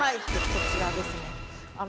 こちらですね。